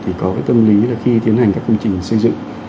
thì có cái tâm lý là khi tiến hành các công trình xây dựng